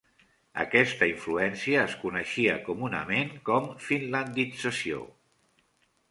Aquesta influència es coneixia comunament com finlandització.